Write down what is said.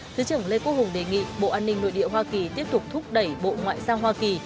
thứ trưởng lê quốc hùng đề nghị bộ an ninh nội địa hoa kỳ tiếp tục thúc đẩy bộ ngoại giao hoa kỳ